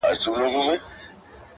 هلته بل ميوند جوړيږي -